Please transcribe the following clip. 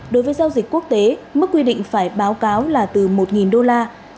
đối với giao dịch quốc tế mức quy định phải báo cáo là từ một đô la